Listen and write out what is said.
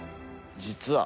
実は。